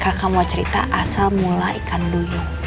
kaka mau cerita asal mula ikan duyung